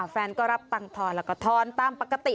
แฟนก็รับตังค์ทอนแล้วก็ทอนตามปกติ